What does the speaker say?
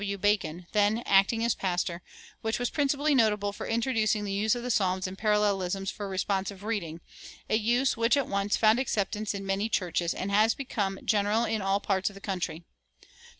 W. Bacon, then acting as pastor, which was principally notable for introducing the use of the Psalms in parallelisms for responsive reading a use which at once found acceptance in many churches, and has become general in all parts of the country.